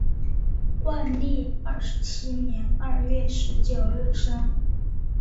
万历二十七年二月十九日生。